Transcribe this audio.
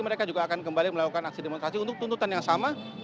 mereka juga akan kembali melakukan aksi demonstrasi untuk tuntutan yang sama